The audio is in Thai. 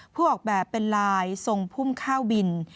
ออกแบบเป็นลายทรงพุ่มข้าวบิน